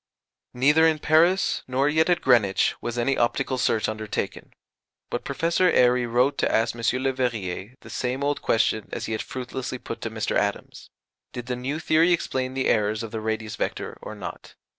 Neither in Paris nor yet at Greenwich was any optical search undertaken; but Professor Airy wrote to ask M. Leverrier the same old question as he had fruitlessly put to Mr. Adams: Did the new theory explain the errors of the radius vector or not?